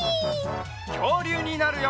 きょうりゅうになるよ！